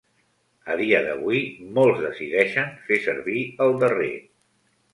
A dia d'avui, molts decideixen fer servir el darrer.